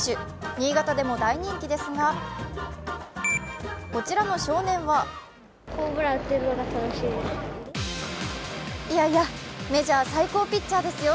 新潟でも大人気ですが、こちらの少年はいやいや、メジャー最高ピッチャーですよ。